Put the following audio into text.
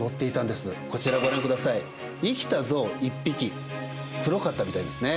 生きたゾウ１匹。黒かったみたいですね。